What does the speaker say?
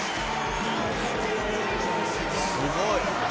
「すごい！」